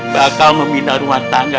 bakal memindah rumah tangga